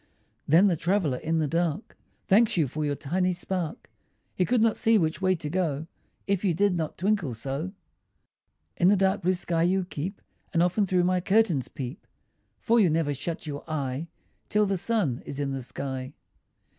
Then the traveller in the dark Thanks you for your tiny spark; He could not see which way to go, If you did not twinkle so. In the dark blue sky you keep, And often through my curtains peep, For you never shut your eye Till the sun is in the sky.